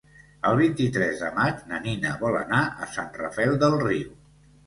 El vint-i-tres de maig na Nina vol anar a Sant Rafel del Riu.